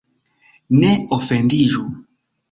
Ne ofendiĝu!